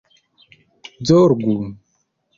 zorgu